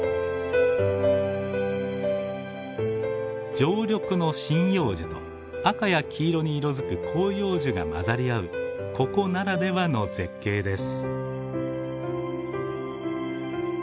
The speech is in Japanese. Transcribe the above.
常緑の針葉樹と赤や黄色に色づく広葉樹がまざり合うここならではの絶景です。